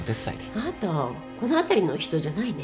あんたこの辺りの人じゃないね。